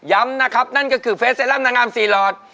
ย้ำนะครับนั่นก็คือเฟสเซรั่มนางาม๔ลอร์ด